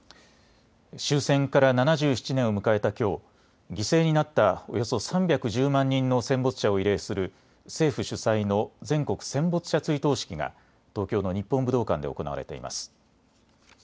終戦から７７年を迎えたきょう、犠牲になったおよそ３１０万人の戦没者を慰霊する政府主催の全国戦没者追悼式が東京の日本武道館で行われています。